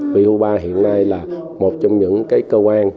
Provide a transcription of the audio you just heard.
vì hubar hiện nay là một trong những cơ quan